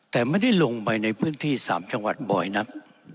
แต่ไม่ได้ลงไปในพื้นที่๓จังหวัดบ่อยนัก